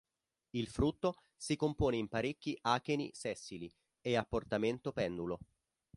Il frutto si compone in parecchi acheni sessili e a portamento pendulo.